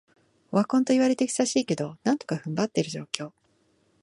オワコンと言われて久しいけど、なんとか踏ん張ってる状況